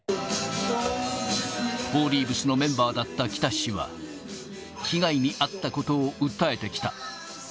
フォーリーブスのメンバーだった北氏は、被害に遭ったことを訴えてきた。